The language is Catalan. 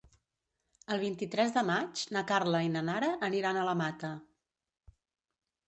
El vint-i-tres de maig na Carla i na Nara aniran a la Mata.